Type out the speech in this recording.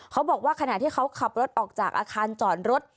เขาบอกว่าขณะที่เขาขับรถออกจากอาคารจอดรถ